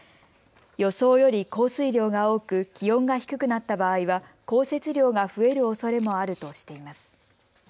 予想より降水量が多く気温が低くなった場合は降雪量が増えるおそれもあるとしています。